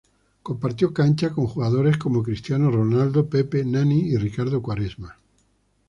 Compartió cancha con jugadores como Cristiano Ronaldo, Pepe, Nani y Ricardo Quaresma.